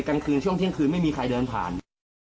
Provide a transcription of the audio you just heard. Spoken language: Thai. กลางคืนช่วงเที่ยงคืนไม่มีใครเดินผ่าน